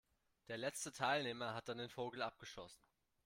Der letzte Teilnehmer hat dann den Vogel abgeschossen.